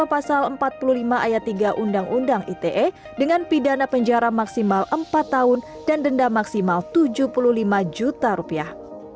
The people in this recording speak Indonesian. pasal empat puluh lima ayat tiga undang undang ite dengan pidana penjara maksimal empat tahun dan denda maksimal tujuh puluh lima juta rupiah